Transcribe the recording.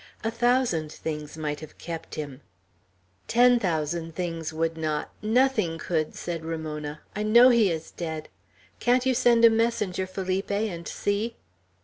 "A thousand things might have kept him." "Ten thousand things would not! Nothing could!" said Ramona. "I know he is dead. Can't you send a messenger, Felipe, and see?"